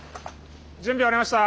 準備終わりました！